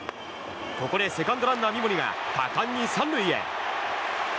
ここでセカンドランナー、三森が果敢に３塁へ。